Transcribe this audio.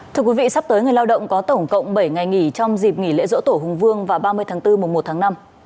thưa quý vị sắp tới người lao động có tổng cộng bảy ngày nghỉ trong dịp nghỉ lễ dỗ tổ hùng vương và ba mươi tháng bốn mùa một tháng năm